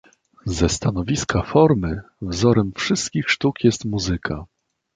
Ze stanowiska formy wzorem wszystkich sztuk jest muzyka.